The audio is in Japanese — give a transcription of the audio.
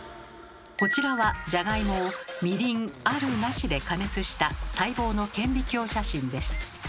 こちらはジャガイモをみりん「ある」「なし」で加熱した細胞の顕微鏡写真です。